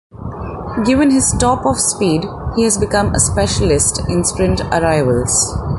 Given his top of speed, he has become a specialist in sprint arrivals.